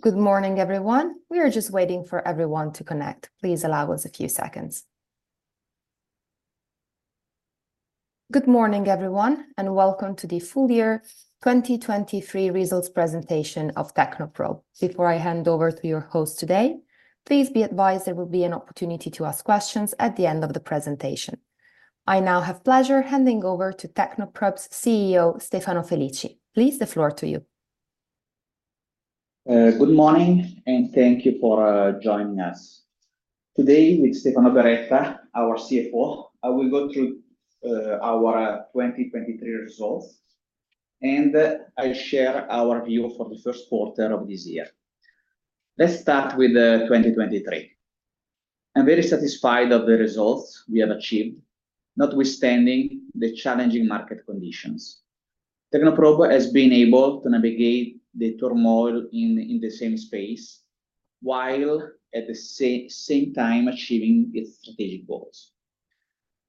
Good morning, everyone. We are just waiting for everyone to connect. Please allow us a few seconds. Good morning, everyone, and welcome to the full-year 2023 results presentation of Technoprobe. Before I hand over to your host today, please be advised there will be an opportunity to ask questions at the end of the presentation. I now have pleasure of handing over to Technoprobe's CEO, Stefano Felici. Please, the floor to you. Good morning, and thank you for joining us. Today with Stefano Beretta, our CFO, I will go through our 2023 results, and I'll share our view for the first quarter of this year. Let's start with 2023. I'm very satisfied with the results we have achieved, notwithstanding the challenging market conditions. Technoprobe has been able to navigate the turmoil in the semis space while, at the same time, achieving its strategic goals.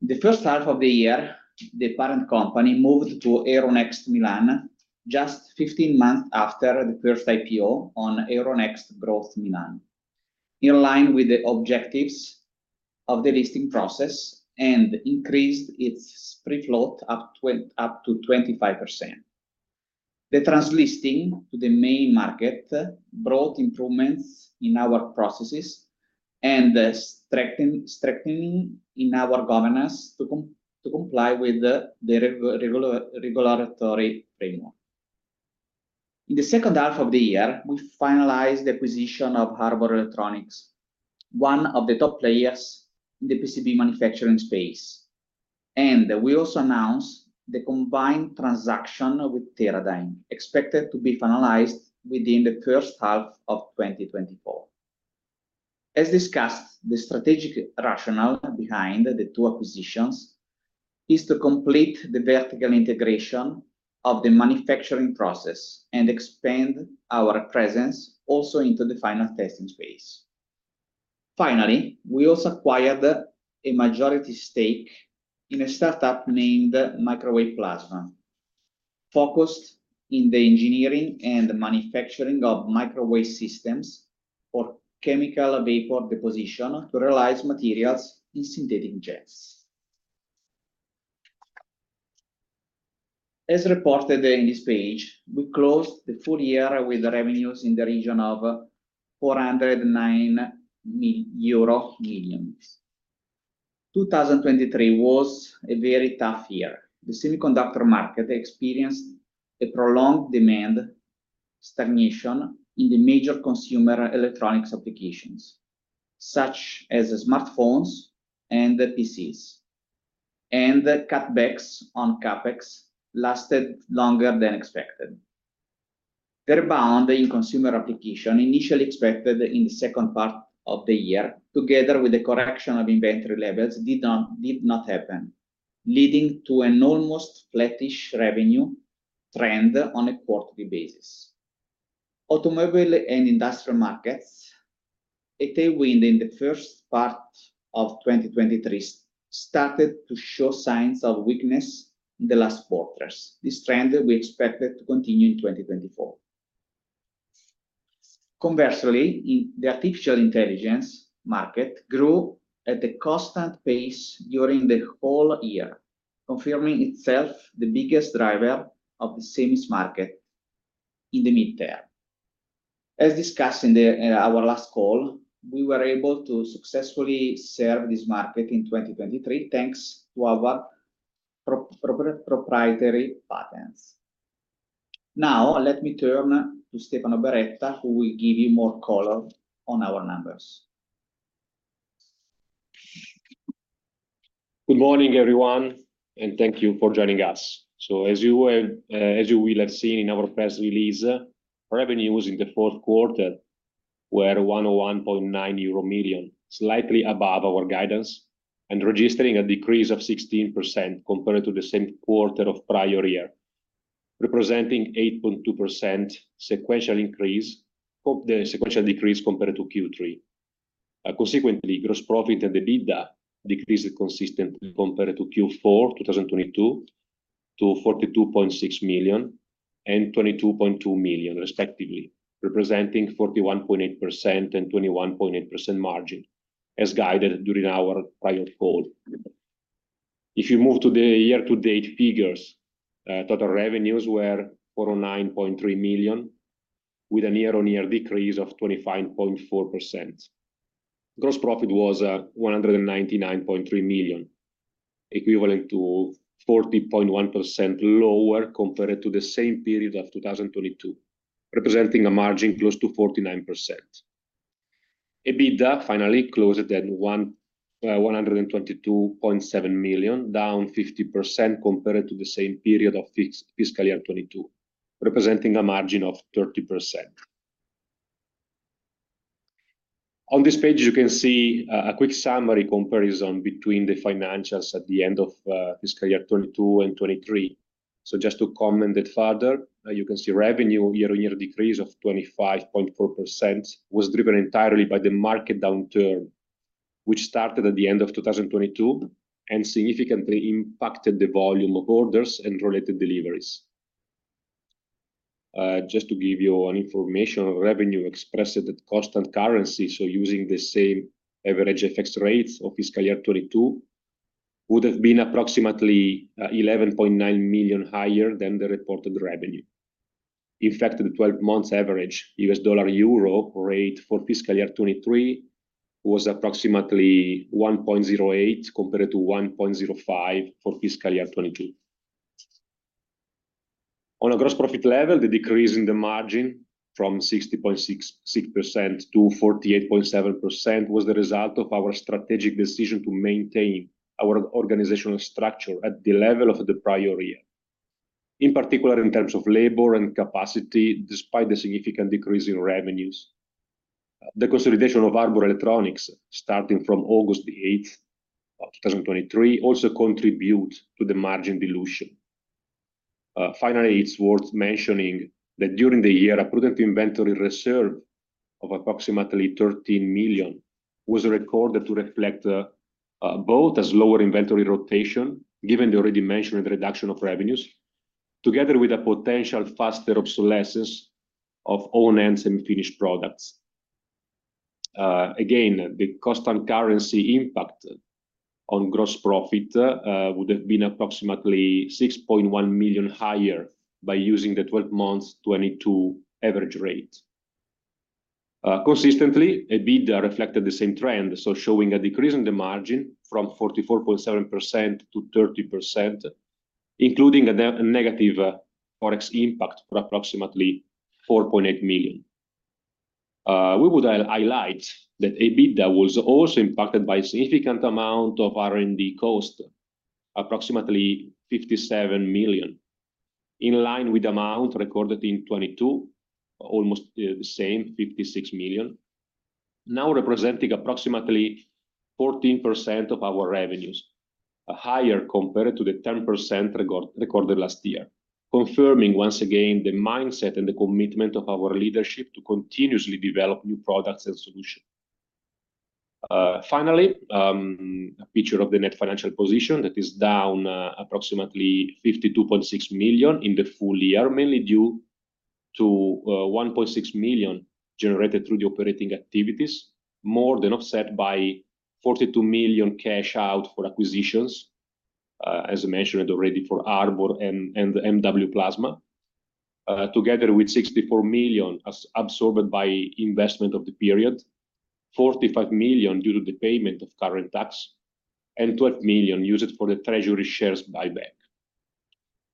The first half of the year, the parent company moved to Euronext Milan just 15 months after the first IPO on Euronext Growth Milan, in line with the objectives of the listing process and increased its free float up to 25%. The translisting to the main market brought improvements in our processes and strengthening in our governance to comply with the regulatory framework. In the second half of the year, we finalized the acquisition of Harbor Electronics, one of the top players in the PCB manufacturing space, and we also announced the combined transaction with Teradyne, expected to be finalized within the first half of 2024. As discussed, the strategic rationale behind the two acquisitions is to complete the vertical integration of the manufacturing process and expand our presence also into the final testing space. Finally, we also acquired a majority stake in a startup named MW Plasma, focused on the engineering and manufacturing of microwave systems for chemical vapor deposition to realize materials in synthetic gems. As reported in this page, we closed the full-year with revenues in the region of 409 million euro. 2023 was a very tough year. The semiconductor market experienced a prolonged demand stagnation in the major consumer electronics applications, such as smartphones and PCs, and cutbacks on CapEx lasted longer than expected. The rebound in consumer application, initially expected in the second part of the year together with the correction of inventory levels, did not happen, leading to an almost flattish revenue trend on a quarterly basis. Automotive and industrial markets, a tailwind in the first part of 2023, started to show signs of weakness in the last quarters. This trend we expected to continue in 2024. Conversely, the artificial intelligence market grew at a constant pace during the whole year, confirming itself the biggest driver of the semiconductor market in the mid-term. As discussed in our last call, we were able to successfully serve this market in 2023 thanks to our proprietary patents. Now, let me turn to Stefano Beretta, who will give you more color on our numbers. Good morning, everyone, and thank you for joining us. So, as you will have seen in our press release, revenues in the fourth quarter were 101.9 million euro, slightly above our guidance, and registering a decrease of 16% compared to the same quarter of prior year, representing an 8.2% sequential decrease compared to Q3. Consequently, gross profit and the EBITDA decreased consistently compared to Q4 2022 to 42.6 million and 22.2 million, respectively, representing a 41.8% and 21.8% margin, as guided during our prior call. If you move to the year-to-date figures, total revenues were 409.3 million, with a year-over-year decrease of 25.4%. Gross profit was 199.3 million, equivalent to 40.1% lower compared to the same period of 2022, representing a margin close to 49%. EBITDA, finally, closed at 122.7 million, down 50% compared to the same period of fiscal year 2022, representing a margin of 30%. On this page, you can see a quick summary comparison between the financials at the end of fiscal year 2022 and 2023. So, just to comment that further, you can see revenue year-on-year decrease of 25.4% was driven entirely by the market downturn, which started at the end of 2022 and significantly impacted the volume of orders and related deliveries. Just to give you an information, revenue expressed at constant currency, so using the same average exchange rates of fiscal year 2022, would have been approximately 11.9 million higher than the reported revenue. In fact, the 12-month average USD/EUR rate for fiscal year 2023 was approximately 1.08 compared to 1.05 for fiscal year 2022. On a gross profit level, the decrease in the margin from 60.6% to 48.7% was the result of our strategic decision to maintain our organizational structure at the level of the prior year, in particular in terms of labor and capacity, despite the significant decrease in revenues. The consolidation of Harbor Electronics, starting from August 8, 2023, also contributed to the margin dilution. Finally, it's worth mentioning that during the year, a prudent inventory reserve of approximately 13 million was recorded to reflect both a slower inventory rotation, given the already mentioned reduction of revenues, together with a potential faster obsolescence of raw materials and finished products. Again, the constant currency impact on gross profit would have been approximately 6.1 million higher by using the 12-month 2022 average rate. Consistently, an EBITDA reflected the same trend, so showing a decrease in the margin from 44.7% to 30%, including a negative forex impact for approximately 4.8 million. We would highlight that an EBITDA was also impacted by a significant amount of R&D cost, approximately 57 million, in line with the amount recorded in 2022, almost the same, 56 million, now representing approximately 14% of our revenues, higher compared to the 10% recorded last year, confirming once again the mindset and the commitment of our leadership to continuously develop new products and solutions. Finally, a picture of the net financial position that is down approximately 52.6 million in the full-year, mainly due to 1.6 million generated through the operating activities, more than offset by 42 million cash out for acquisitions, as mentioned already, for Harbor and MW Plasma, together with 64 million absorbed by investment of the period, 45 million due to the payment of current tax, and 12 million used for the treasury shares buyback.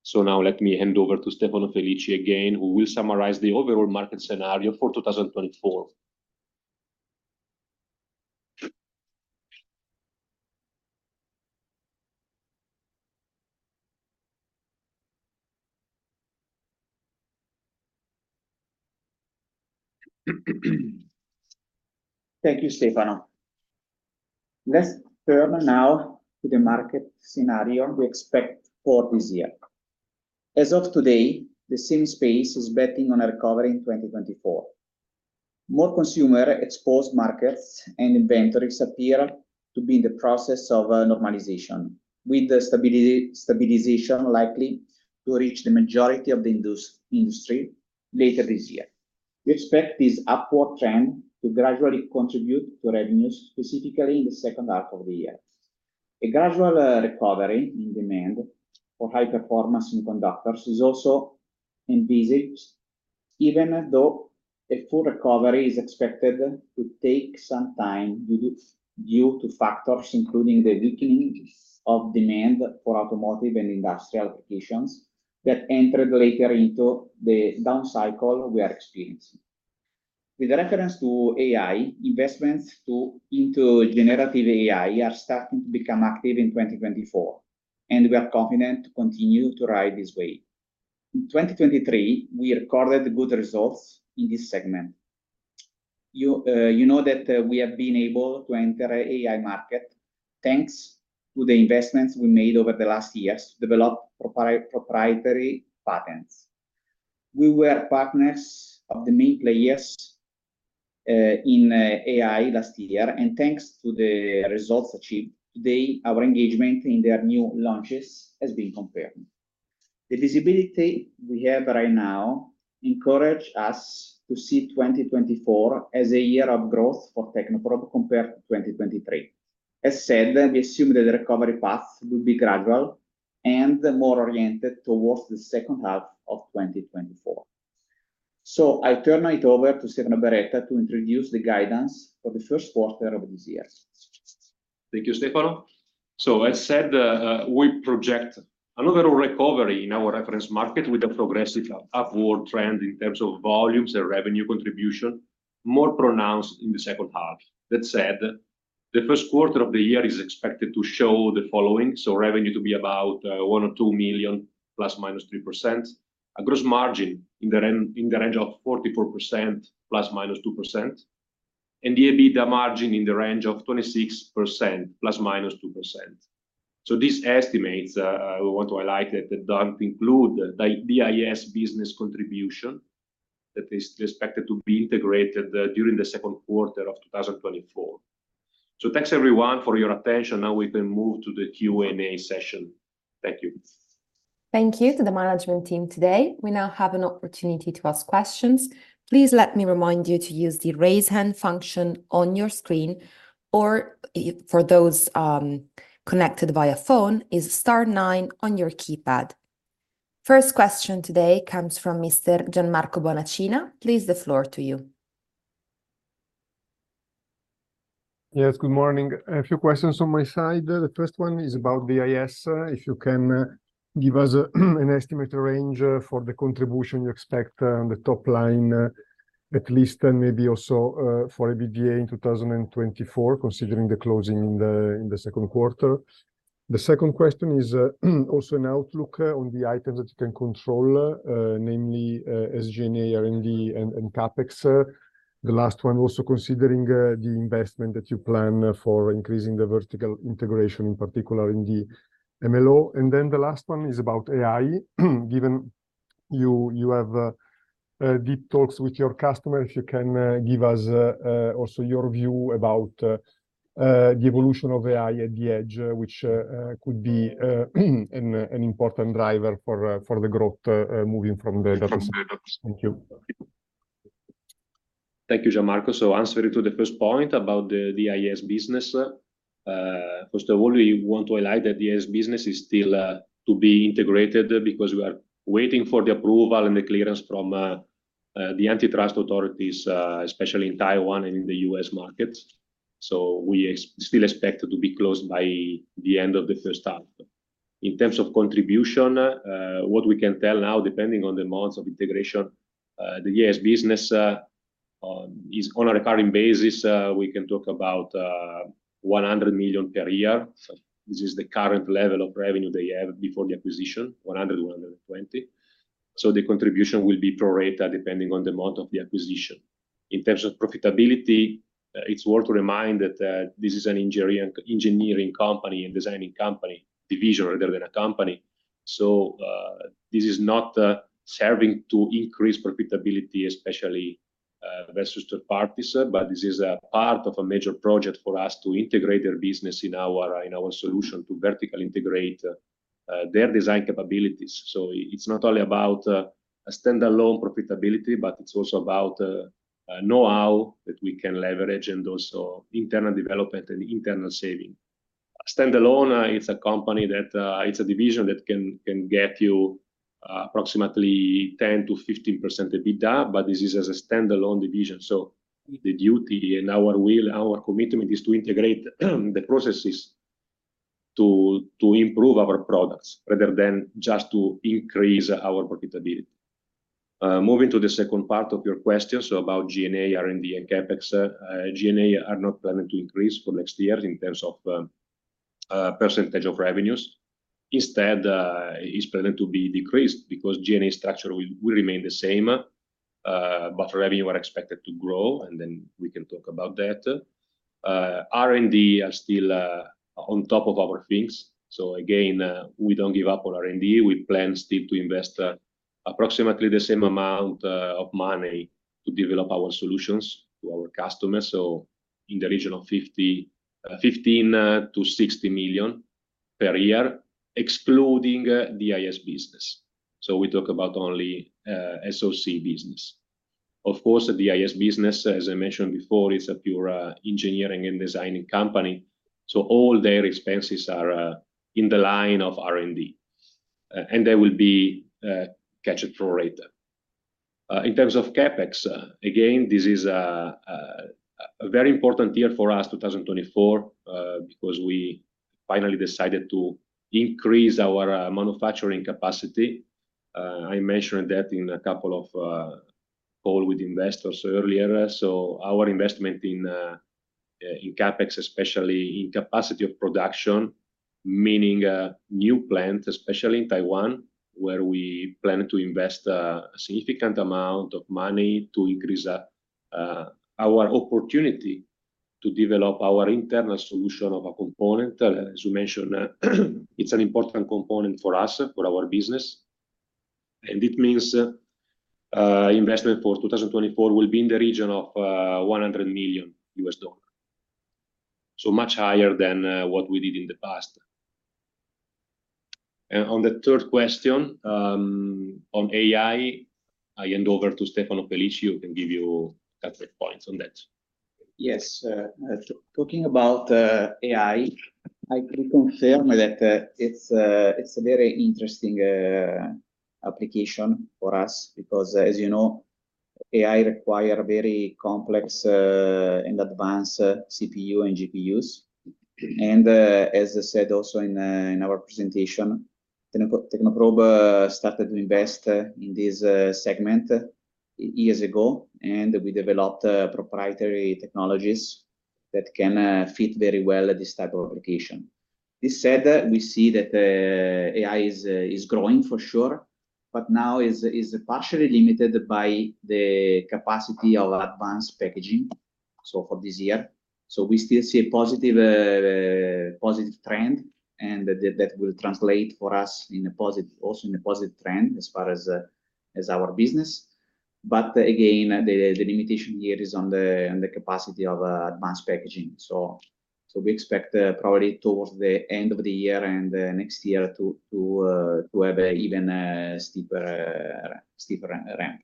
So now let me hand over to Stefano Felici again, who will summarize the overall market scenario for 2024. Thank you, Stefano. Let's turn now to the market scenario we expect for this year. As of today, the semiconductor space is betting on recovery in 2024. More consumer-exposed markets and inventories appear to be in the process of normalization, with stabilization likely to reach the majority of the industry later this year. We expect this upward trend to gradually contribute to revenues, specifically in the second half of the year. A gradual recovery in demand for high-performance semiconductors is also envisioned, even though a full recovery is expected to take some time due to factors including the weakening of demand for automotive and industrial applications that entered later into the downcycle we are experiencing. With reference to AI, investments into generative AI are starting to become active in 2024, and we are confident to continue to ride this wave. In 2023, we recorded good results in this segment. You know that we have been able to enter the AI market thanks to the investments we made over the last years to develop proprietary patents. We were partners of the main players in AI last year, and thanks to the results achieved today, our engagement in their new launches has been confirmed. The visibility we have right now encourages us to see 2024 as a year of growth for Technoprobe compared to 2023. As said, we assume that the recovery path will be gradual and more oriented towards the second half of 2024. So I'll turn it over to Stefano Beretta to introduce the guidance for the first quarter of this year. Thank you, Stefano. So, as said, we project an overall recovery in our reference market with a progressive upward trend in terms of volumes and revenue contribution, more pronounced in the second half. That said, the first quarter of the year is expected to show the following, so revenue to be about 102 million ±3%, a gross margin in the range of 44% ±2%, and the EBITDA margin in the range of 26% ±2%. So these estimates, I want to highlight, that don't include the DIS business contribution that is expected to be integrated during the second quarter of 2024. So thanks, everyone, for your attention. Now we can move to the Q&A session. Thank you. Thank you to the management team today. We now have an opportunity to ask questions. Please let me remind you to use the raise hand function on your screen, or for those connected via phone, press star nine on your keypad. First question today comes from Mr. Gianmarco Bonacina. Please, the floor to you. Yes, good morning. A few questions on my side. The first one is about DIS. If you can give us an estimate range for the contribution you expect on the top line, at least, and maybe also for an EBITDA in 2024, considering the closing in the second quarter. The second question is also an outlook on the items that you can control, namely SG&A, R&D, and CapEx. The last one also considering the investment that you plan for increasing the vertical integration, in particular in the MLO. And then the last one is about AI, given you have deep talks with your customers. If you can give us also your view about the evolution of AI at the edge, which could be an important driver for the growth moving from the data. Thank you. Thank you, Gianmarco. So answering to the first point about the DIS business, first of all, we want to highlight that the DIS business is still to be integrated because we are waiting for the approval and the clearance from the antitrust authorities, especially in Taiwan and in the U.S. markets. So we still expect it to be closed by the end of the first half. In terms of contribution, what we can tell now, depending on the months of integration, the DIS business is on a recurring basis. We can talk about 100 million per year. This is the current level of revenue they have before the acquisition, 100 million-120 million. So the contribution will be prorata, depending on the month of the acquisition. In terms of profitability, it's worth to remind that this is an engineering company and designing company, division rather than a company. So this is not serving to increase profitability, especially versus third parties, but this is part of a major project for us to integrate their business in our solution to vertically integrate their design capabilities. So it's not only about a standalone profitability, but it's also about know-how that we can leverage and also internal development and internal saving. Standalone, it's a company that it's a division that can get you approximately 10%-15% EBITDA, but this is as a standalone division. So the duty and our commitment is to integrate the processes to improve our products rather than just to increase our profitability. Moving to the second part of your question, so about G&A, R&D, and CapEx, G&A are not planning to increase for next year in terms of percentage of revenues. Instead, it's planning to be decreased because G&A structure will remain the same, but revenue is expected to grow, and then we can talk about that. R&D is still on top of our things. So again, we don't give up on R&D. We plan still to invest approximately the same amount of money to develop our solutions to our customers, so in the region of 15 million-60 million per year, excluding DIS business. So we talk about only SOC business. Of course, the DIS business, as I mentioned before, is a pure engineering and designing company. So all their expenses are in the line of R&D. And they will be catch-up prorata. In terms of CapEx, again, this is a very important year for us, 2024, because we finally decided to increase our manufacturing capacity. I mentioned that in a couple of calls with investors earlier. So our investment in CapEx, especially in capacity of production, meaning new plants, especially in Taiwan, where we plan to invest a significant amount of money to increase our opportunity to develop our internal solution of a component. As you mentioned, it's an important component for us, for our business. It means investment for 2024 will be in the region of EUR 100 million, so much higher than what we did in the past. On the third question on AI, I hand over to Stefano Felici. You can give you a couple of points on that. Yes. Talking about AI, I can confirm that it's a very interesting application for us because, as you know, AI requires very complex and advanced CPUs and GPUs. And as I said also in our presentation, Technoprobe started to invest in this segment years ago, and we developed proprietary technologies that can fit very well this type of application. That said, we see that AI is growing for sure, but now is partially limited by the capacity of advanced packaging, so for this year. So we still see a positive trend, and that will translate for us also in a positive trend as far as our business. But again, the limitation here is on the capacity of advanced packaging. So we expect probably towards the end of the year and next year to have an even steeper ramp.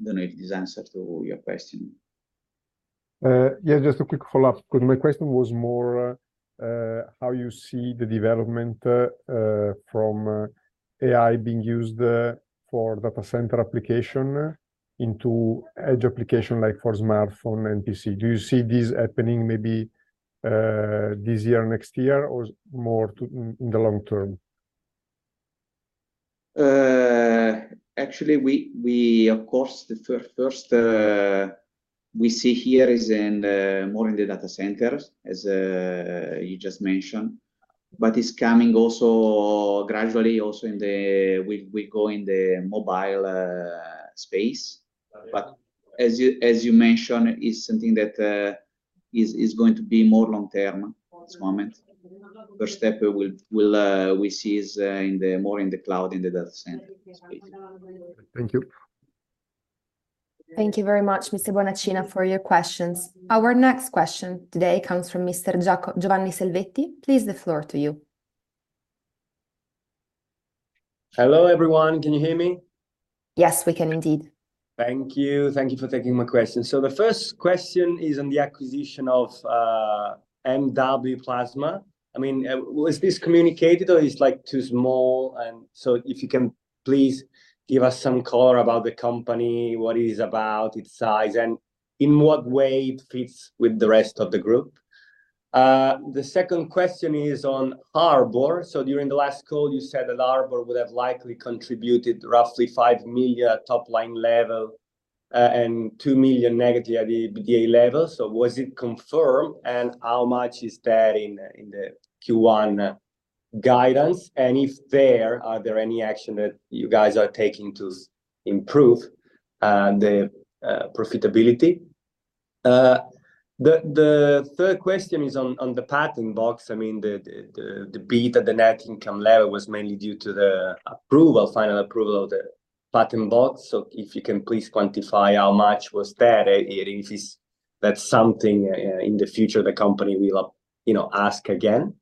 I don't know if this answers your question. Yes, just a quick follow-up because my question was more how you see the development from AI being used for data center application into edge applications like for smartphone and PC. Do you see this happening maybe this year or next year, or more in the long term? Actually, of course, the first we see here is more in the data centers, as you just mentioned, but it's coming also gradually in the we go in the mobile space. But as you mentioned, it's something that is going to be more long-term at this moment. First step we see is more in the cloud, in the data center space. Thank you. Thank you very much, Mr. Bonacina, for your questions. Our next question today comes from Mr. Giovanni Selvetti. Please, the floor to you. Hello, everyone. Can you hear me? Yes, we can indeed. Thank you. Thank you for taking my question. So the first question is on the acquisition of MW Plasma. I mean, is this communicated, or it's too small? And so if you can, please give us some color about the company, what it is about, its size, and in what way it fits with the rest of the group. The second question is on Harbor. So during the last call, you said that Harbor would have likely contributed roughly 5 million top-line level and 2 million negative at the EBITDA level. So was it confirmed, and how much is there in the Q1 guidance? And if there, are there any actions that you guys are taking to improve the profitability? The third question is on the patent box. I mean, the EBITDA, the net income level, was mainly due to the final approval of the patent box. So if you can please quantify how much was there, if that's something in the future the company will ask again.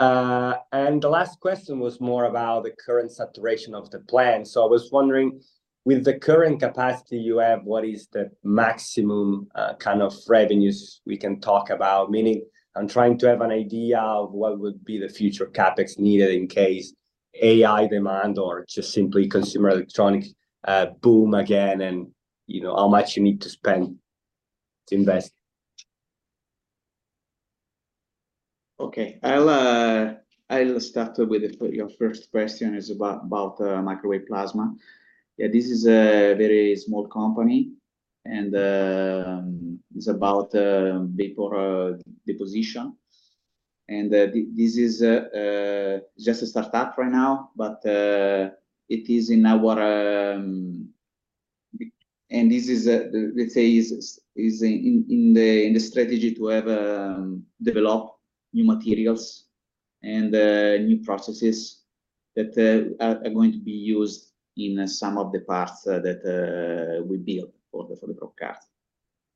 The last question was more about the current saturation of the plant. I was wondering, with the current capacity you have, what is the maximum kind of revenues we can talk about? Meaning, I'm trying to have an idea of what would be the future CapEx needed in case AI demand or just simply consumer electronics boom again and how much you need to spend to invest. Okay. I'll start with your first question. It's about Microwave Plasma. Yeah, this is a very small company, and it's about vapor deposition. And this is just a startup right now, but it is in our and this is, let's say, in the strategy to develop new materials and new processes that are going to be used in some of the parts that we build for the probe card.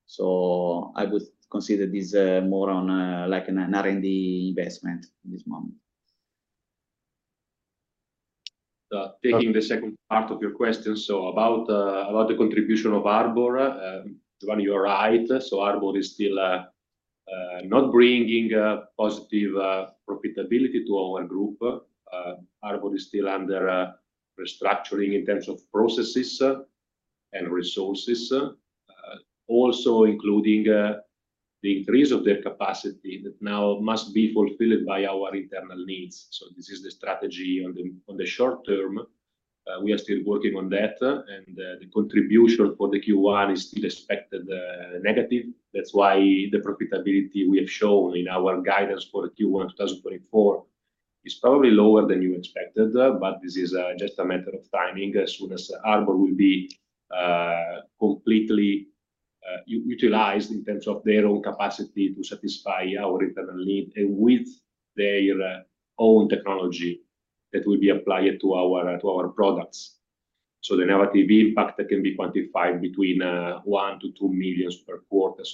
So I would consider this more like an R&D investment at this moment. Taking the second part of your question. So about the contribution of Harbor, Giovanni, you're right. So Harbor is still not bringing positive profitability to our group. Harbor is still under restructuring in terms of processes and resources, also including the increase of their capacity that now must be fulfilled by our internal needs. So this is the strategy on the short term. We are still working on that. The contribution for the Q1 is still expected negative. That's why the profitability we have shown in our guidance for Q1 2024 is probably lower than you expected. But this is just a matter of timing as soon as Harbor will be completely utilized in terms of their own capacity to satisfy our internal need and with their own technology that will be applied to our products. The negative impact can be quantified between 1 million-2 million per quarter.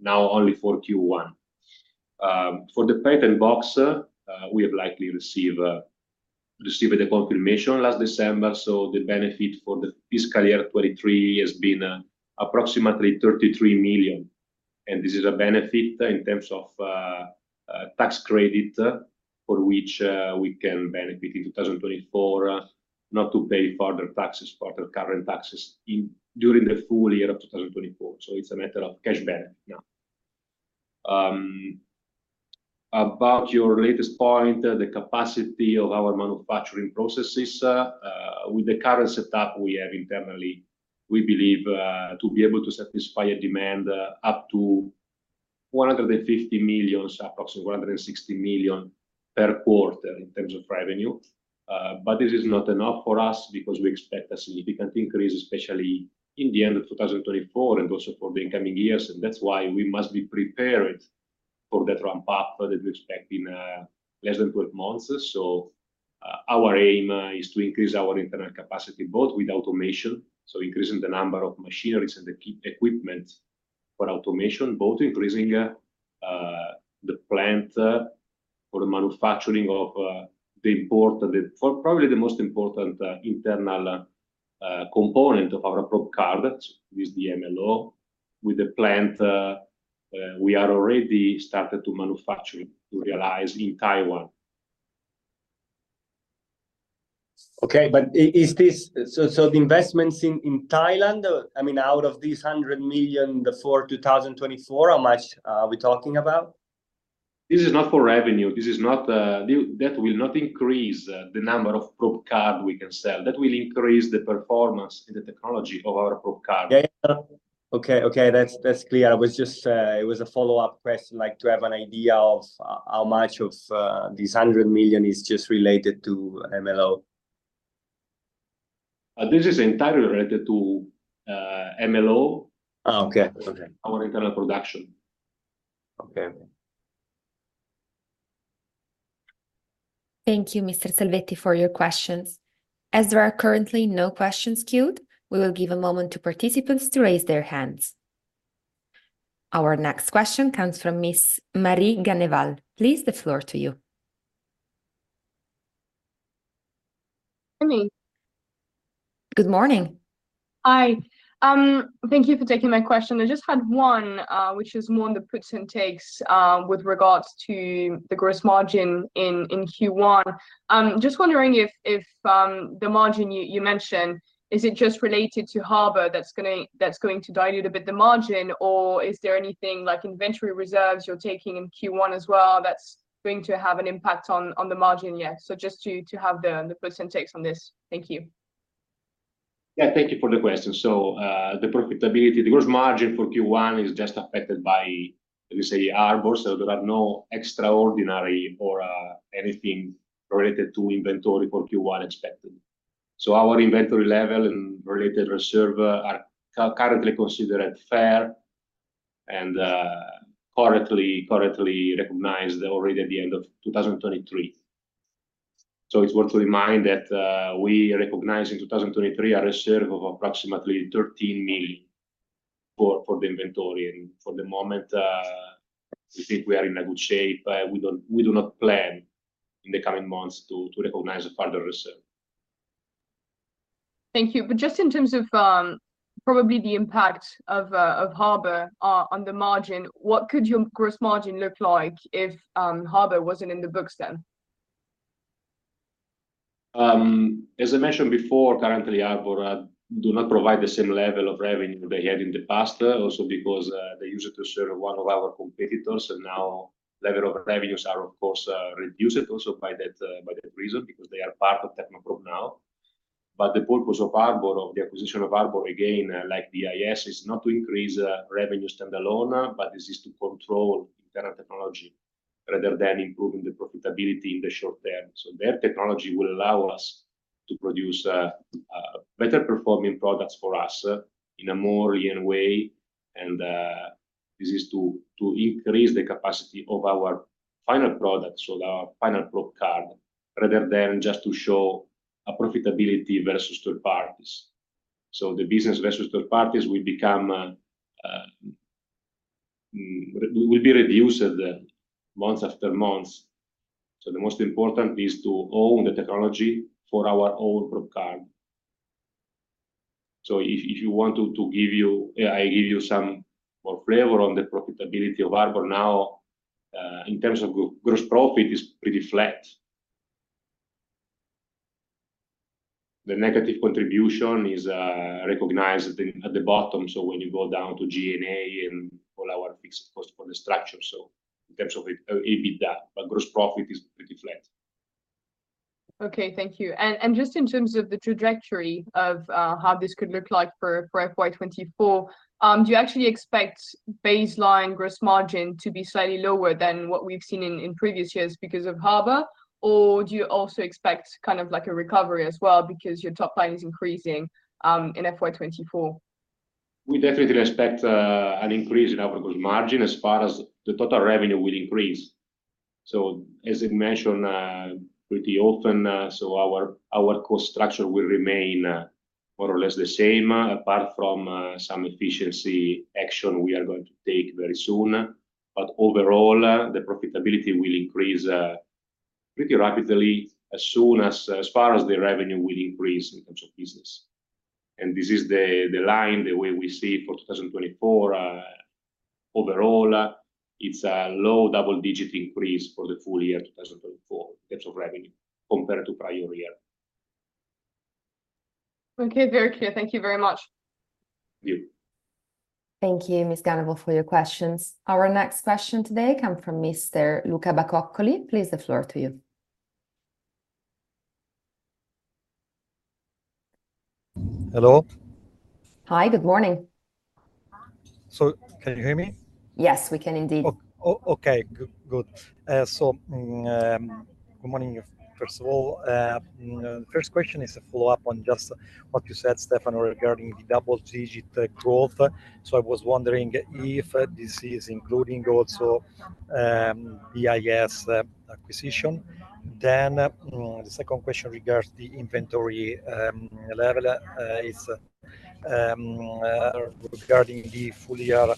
Now only for Q1. For the Patent Box, we have likely received the confirmation last December. The benefit for the fiscal year 2023 has been approximately 33 million. And this is a benefit in terms of tax credit for which we can benefit in 2024, not to pay further taxes, further current taxes, during the full-year of 2024. It's a matter of cash benefit now. About your latest point, the capacity of our manufacturing processes, with the current setup we have internally, we believe to be able to satisfy a demand up to 150 million, approximately 160 million per quarter in terms of revenue. But this is not enough for us because we expect a significant increase, especially in the end of 2024 and also for the incoming years. That's why we must be prepared for that ramp-up that we expect in less than 12 months. So our aim is to increase our internal capacity both with automation, so increasing the number of machinery and the equipment for automation, both increasing the plant for the manufacturing of the important, probably the most important internal component of our probe card, which is the MLO, with the plant we are already starting to manufacture, to realize in Taiwan. Okay. But is this so the investments in Thailand, I mean, out of this 100 million before 2024, how much are we talking about? This is not for revenue. That will not increase the number of probe cards we can sell. That will increase the performance and the technology of our probe card. Yeah, yeah. Okay, okay. That's clear. It was a follow-up question, like to have an idea of how much of this 100 million is just related to MLO. This is entirely related to MLO, our internal production. Okay. Thank you, Mr. Selvetti, for your questions. As there are currently no questions queued, we will give a moment to participants to raise their hands. Our next question comes from Ms. Marie Ganneval. Please, the floor to you. Good morning. Hi. Thank you for taking my question. I just had one, which is more on the puts and takes with regards to the gross margin in Q1. Just wondering if the margin you mentioned, is it just related to Harbor that's going to dilute a bit the margin, or is there anything like inventory reserves you're taking in Q1 as well that's going to have an impact on the margin yet? So just to have the puts and takes on this. Thank you. Yeah, thank you for the question. So the profitability, the gross margin for Q1 is just affected by, let's say, Harbor. So there are no extraordinary or anything related to inventory for Q1 expected. So our inventory level and related reserve are currently considered fair and correctly recognized already at the end of 2023. So it's worth to remind that we recognize in 2023 a reserve of approximately 13 million for the inventory. And for the moment, we think we are in a good shape. We do not plan in the coming months to recognize a further reserve. Thank you. But just in terms of probably the impact of Harbor on the margin, what could your gross margin look like if Harbor wasn't in the books then? As I mentioned before, currently, Harbor do not provide the same level of revenue they had in the past, also because they used it to serve one of our competitors. And now level of revenues are, of course, reduced also by that reason because they are part of Technoprobe now. But the purpose of Harbor, of the acquisition of Harbor, again, like DIS, is not to increase revenues standalone, but this is to control internal technology rather than improving the profitability in the short term. So their technology will allow us to produce better-performing products for us in a more lean way. And this is to increase the capacity of our final product, so our final probe card, rather than just to show a profitability versus third parties. So the business versus third parties will be reduced month after month. So the most important is to own the technology for our own probe card. So if you want to give you I give you some more flavor on the profitability of Harbor now, in terms of gross profit, it's pretty flat. The negative contribution is recognized at the bottom. So when you go down to G&A and all our fixed costs for the structure, so in terms of a bit that. But gross profit is pretty flat. Okay. Thank you. Just in terms of the trajectory of how this could look like for FY 2024, do you actually expect baseline gross margin to be slightly lower than what we've seen in previous years because of Harbor, or do you also expect kind of like a recovery as well because your top line is increasing in FY 2024? We definitely expect an increase in our gross margin as far as the total revenue will increase. So as I mentioned pretty often, so our cost structure will remain more or less the same apart from some efficiency action we are going to take very soon. But overall, the profitability will increase pretty rapidly as far as the revenue will increase in terms of business. And this is the line, the way we see for 2024. Overall, it's a low double-digit increase for the full-year 2024 in terms of revenue compared to prior year. Okay. Very clear. Thank you very much. Thank you. Thank you, Ms. Ganneval, for your questions. Our next question today comes from Mr. Luca Bacoccoli. Please, the floor to you. Hello. Hi. Good morning. So, can you hear me? Yes, we can indeed. Okay. Good. So good morning, first of all. The first question is a follow-up on just what you said, Stefano, regarding the double-digit growth. So I was wondering if this is including also DIS acquisition. Then the second question regards the inventory level. Regarding the full-year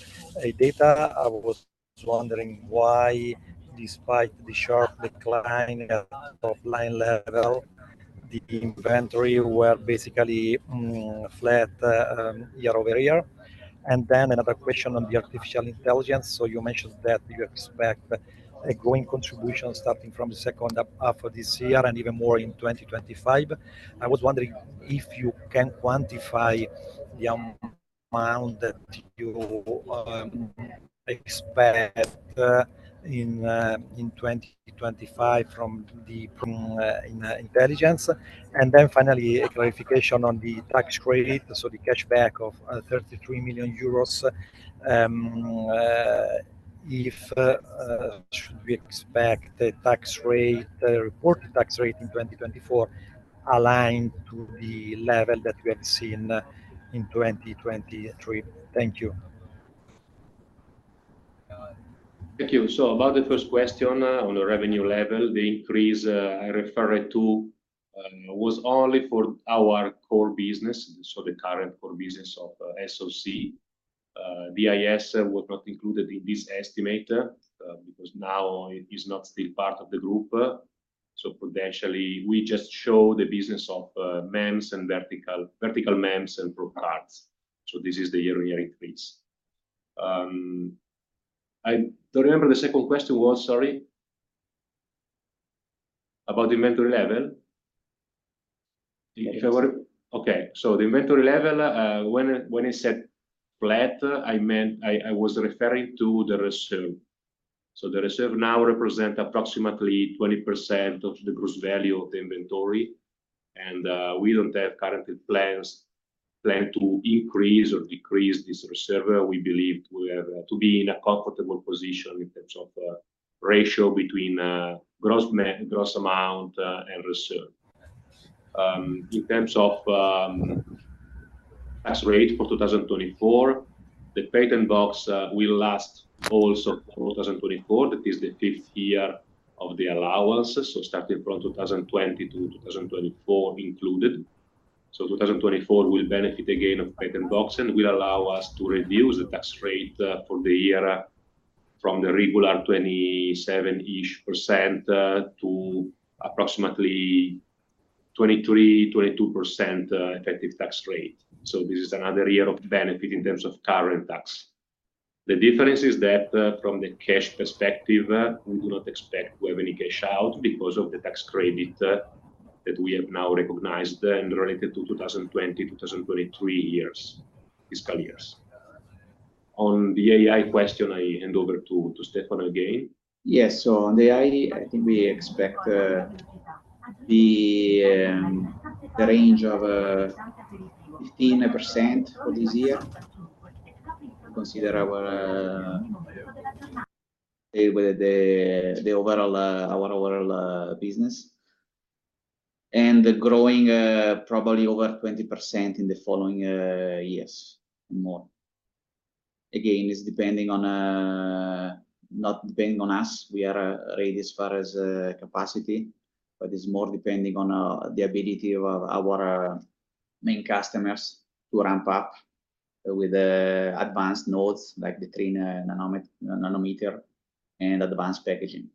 data, I was wondering why, despite the sharp decline at top-line level, the inventory were basically flat year over year. And then another question on the artificial intelligence. So you mentioned that you expect a growing contribution starting from the second half of this year and even more in 2025. I was wondering if you can quantify the amount that you expect in 2025 from the artificial intelligence. And then finally, a clarification on the tax credit, so the cashback of EUR 33 million. Should we expect a reported tax rate in 2024 aligned to the level that we have seen in 2023? Thank you. Thank you. So about the first question on the revenue level, the increase I referred to was only for our core business, so the current core business of SOC. DIS was not included in this estimate because now it is not still part of the group. So potentially, we just show the business of MEMS and vertical MEMS and probe cards. So this is the year-on-year increase. I don't remember the second question was, sorry, about the inventory level. So the inventory level, when I said flat, I meant I was referring to the reserve. So the reserve now represents approximately 20% of the gross value of the inventory. And we don't have currently plans to increase or decrease this reserve. We believe we have to be in a comfortable position in terms of ratio between gross amount and reserve. In terms of tax rate for 2024, the Patent Box will last also for 2024. That is the fifth year of the allowance, so starting from 2020 to 2024 included. So 2024 will benefit again of Patent Box and will allow us to reduce the tax rate for the year from the regular 27%-ish to approximately 23%-22% effective tax rate. So this is another year of benefit in terms of current tax. The difference is that from the cash perspective, we do not expect to have any cash out because of the tax credit that we have now recognized and related to 2020, 2023 years, fiscal years. On the AI question, I hand over to Stefano again. Yes. So on the AI, I think we expect the range of 15% for this year to consider our overall business and growing probably over 20% in the following years and more. Again, it's not depending on us. We are ready as far as capacity, but it's more depending on the ability of our main customers to ramp up with advanced nodes like the 3 nm and advanced packaging.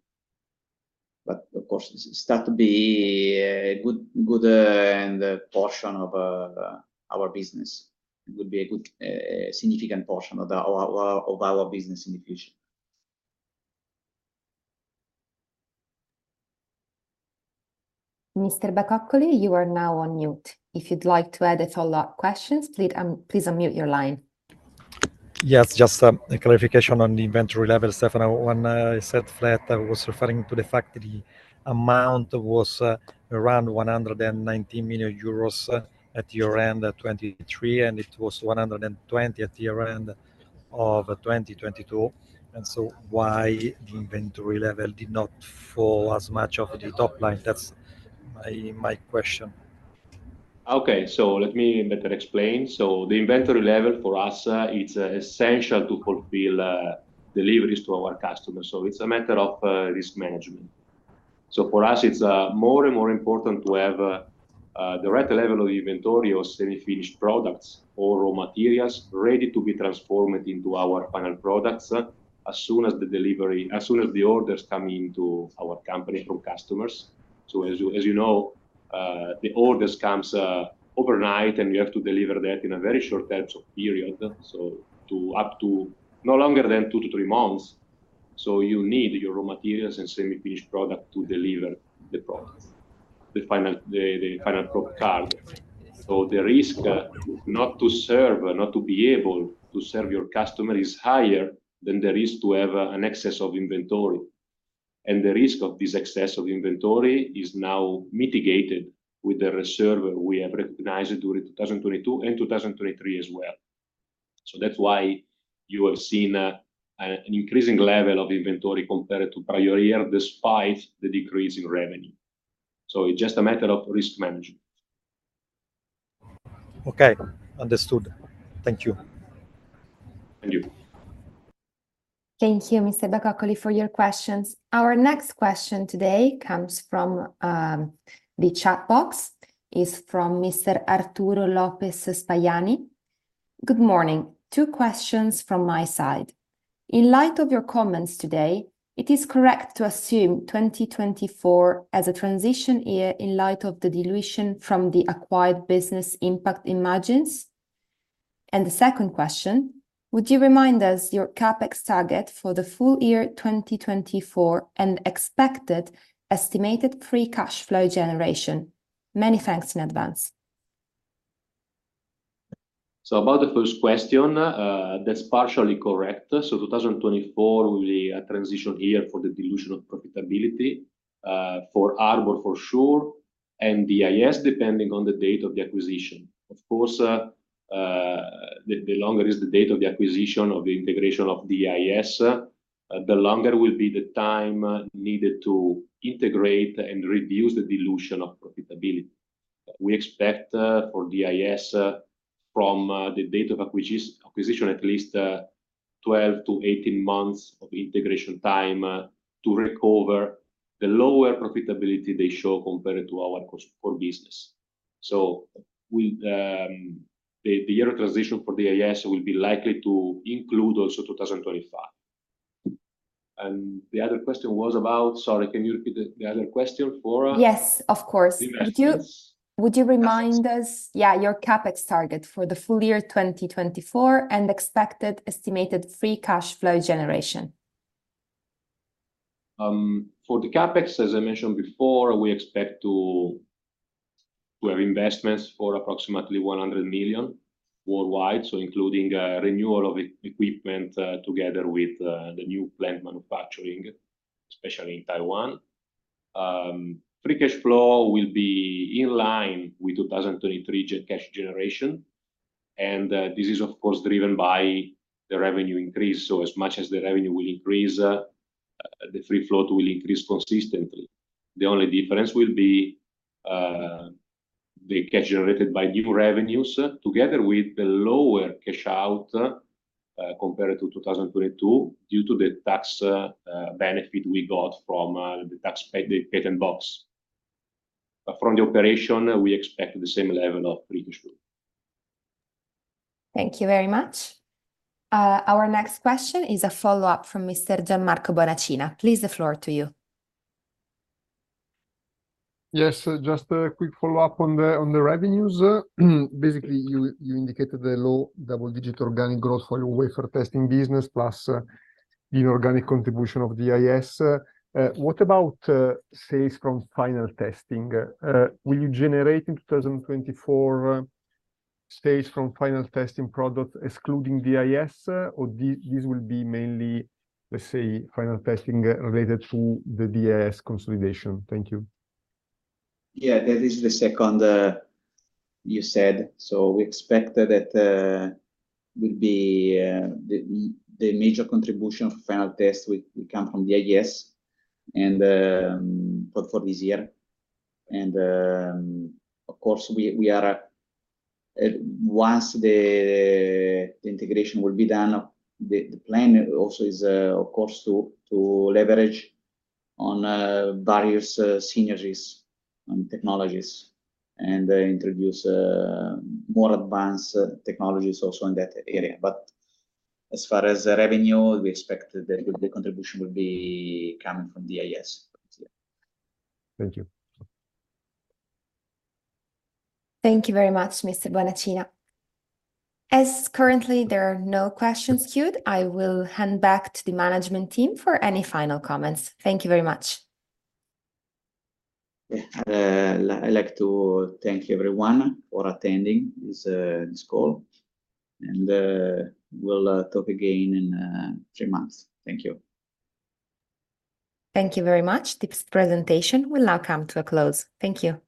But of course, start to be a good portion of our business. It would be a significant portion of our business in the future. Mr. Bacoccoli, you are now on mute. If you'd like to add a follow-up question, please unmute your line. Yes. Just a clarification on the inventory level, Stefano. When I said flat, I was referring to the fact that the amount was around 119 million euros at year-end 2023, and it was 120 million at year-end of 2022. And so why the inventory level did not fall as much off the top line? That's my question. Okay. So let me better explain. So the inventory level for us, it's essential to fulfill deliveries to our customers. So it's a matter of risk management. So for us, it's more and more important to have the right level of inventory of semi-finished products or raw materials ready to be transformed into our final products as soon as the orders come into our company from customers. So as you know, the orders come overnight, and you have to deliver that in a very short period, so up to no longer than two to three months. So you need your raw materials and semi-finished product to deliver the final probe card. So the risk not to serve, not to be able to serve your customer is higher than the risk to have an excess of inventory. The risk of this excess of inventory is now mitigated with the reserve we have recognized during 2022 and 2023 as well. So that's why you have seen an increasing level of inventory compared to prior year despite the decrease in revenue. So it's just a matter of risk management. Okay. Understood. Thank you. Thank you. Thank you, Mr. Bacoccoli, for your questions. Our next question today comes from the chat box. It's from Mr. Arturo Lòpez Spajani. Good morning. Two questions from my side. In light of your comments today, it is correct to assume 2024 as a transition year in light of the dilution from the acquired business impact imagines? The second question, would you remind us your CapEx target for the full-year 2024 and expected estimated free cash flow generation? Many thanks in advance. So about the first question, that's partially correct. So 2024 will be a transition year for the dilution of profitability for Harbor for sure and DIS depending on the date of the acquisition. Of course, the longer is the date of the acquisition of the integration of DIS, the longer will be the time needed to integrate and reduce the dilution of profitability. We expect for DIS, from the date of acquisition, at least 12-18 months of integration time to recover the lower profitability they show compared to our core business. So the year of transition for DIS will be likely to include also 2025. And the other question was about, sorry, can you repeat the other question, Flora? Yes, of course. Would you remind us, yeah, your CapEx target for the full-year 2024 and expected estimated free cash flow generation? For the CapEx, as I mentioned before, we expect to have investments for approximately 100 million worldwide, so including renewal of equipment together with the new plant manufacturing, especially in Taiwan. Free cash flow will be in line with 2023 cash generation. This is, of course, driven by the revenue increase. As much as the revenue will increase, the free cash flow will increase consistently. The only difference will be the cash generated by new revenues together with the lower cash out compared to 2022 due to the tax benefit we got from the Patent Box. But from the operation, we expect the same level of free cash flow. Thank you very much. Our next question is a follow-up from Mr. Gianmarco Bonacina. Please, the floor to you. Yes. Just a quick follow-up on the revenues. Basically, you indicated the low double-digit organic growth for your wafer testing business plus the inorganic contribution of DIS. What about sales from final testing? Will you generate in 2024 sales from final testing products excluding DIS, or this will be mainly, let's say, final testing related to the DIS consolidation? Thank you. Yeah, that is the second you said. So we expect that it will be the major contribution for final test will come from DIS for this year. And of course, once the integration will be done, the plan also is, of course, to leverage on various synergies on technologies and introduce more advanced technologies also in that area. But as far as revenue, we expect that the contribution will be coming from DIS for this year. Thank you. Thank you very much, Mr. Bonacina. As currently, there are no questions queued, I will hand back to the management team for any final comments. Thank you very much. I'd like to thank everyone for attending this call. We'll talk again in three months. Thank you. Thank you very much. The presentation will now come to a close. Thank you.